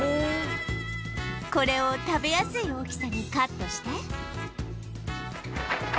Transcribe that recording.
これを食べやすい大きさにカットして